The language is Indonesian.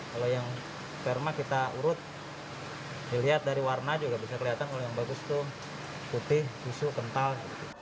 kalau yang sperma kita urut dilihat dari warna juga bisa kelihatan kalau yang bagus itu putih susu kental